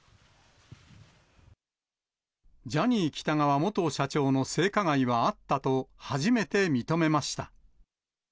ジャニー喜多川元社長の性加害はあったと初めて認めました。